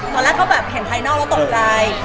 ตอนแรกเขาแบบเห็นภายนอกแล้วตกใจ